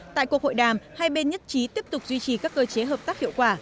tại cuộc hội đàm hai bên nhất trí tiếp tục duy trì các cơ chế hợp tác hiệu quả